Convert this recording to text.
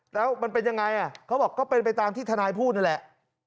แล้วมันเป็นยังไงเขาบอกก็เป็นไปตามที่ทนายพูดนั่นแหละ